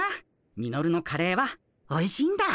ミノルのカレーはおいしいんだ。